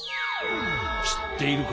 しっているか？